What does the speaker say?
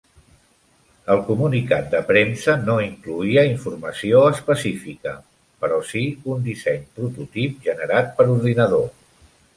El comunicat de premsa no incloïa informació específica, però sí un disseny prototip generat per ordinador.